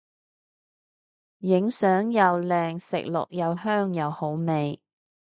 影相又靚食落又香又好味